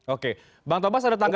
oke bang thomas ada pertanyaan apa